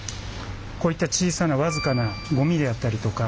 こういった小さな僅かなゴミであったりとか。